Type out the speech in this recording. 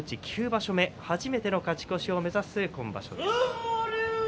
９場所目、初めての勝ち越しを目指す今場所です。